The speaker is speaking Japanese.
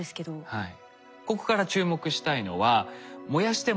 はい。